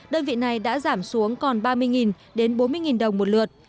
đơn vị này đã giảm xuống còn ba mươi đến bốn mươi đồng một lượt